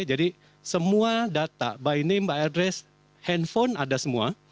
jadi semua data by name by address handphone ada semua